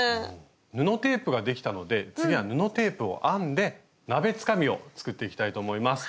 布テープができたので次は布テープを編んで鍋つかみを作っていきたいと思います。